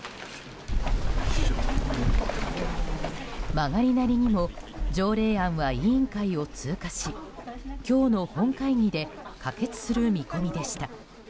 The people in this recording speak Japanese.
まがりなりにも条例案は委員会を通過し今日の本会議で可決する見込みでした。